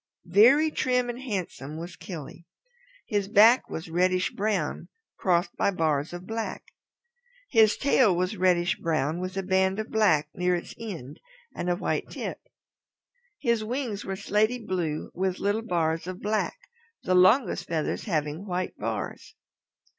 Very trim and handsome was Killy. His back was reddish brown crossed by bars of black. His tail was reddish brown with a band of black near its end and a white tip. His wings were slaty blue with little bars of black, the longest feathers leaving white bars.